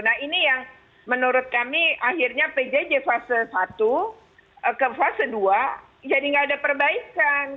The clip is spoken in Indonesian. nah ini yang menurut kami akhirnya pjj fase satu ke fase dua jadi nggak ada perbaikan